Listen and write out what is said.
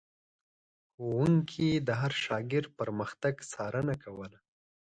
ښوونکي د هر شاګرد پرمختګ څارنه کوله.